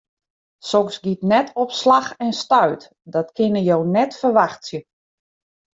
Soks giet net op slach en stuit, dat kinne jo net ferwachtsje.